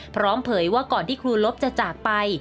เผยว่าก่อนที่ครูลบจะจากไป